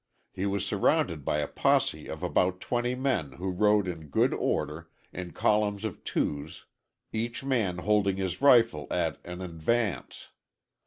He was surrounded by a posse of about twenty men who rode in in good order, in column of twos, each man holding his rifle at an "advance."